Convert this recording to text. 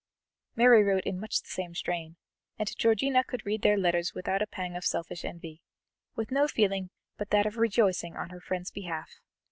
Mary wrote in much the same strain, and Georgiana could read their letters without a pang of selfish envy, with no feeling but that of rejoicing on her friends' behalf.